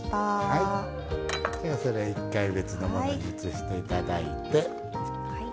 ではそれ一回別のものに移していただいて。